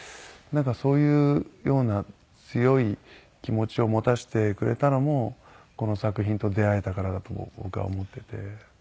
そういうような強い気持ちを持たせてくれたのもこの作品と出会えたからだと僕は思ってて。